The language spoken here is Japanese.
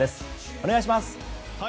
お願いします。